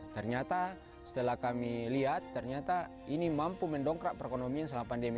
ternyata setelah kami lihat ternyata ini mampu mendongkrak perekonomian selama pandemi